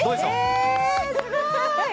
えすごい！